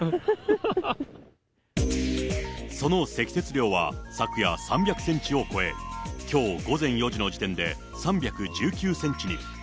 その積雪量は、昨夜３００センチを超え、きょう午前４時の時点で３１９センチに。